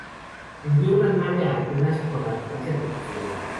Envió una nave a Atenas con la noticia de lo sucedido.